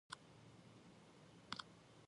This turns out to be the future N. Tropy saw.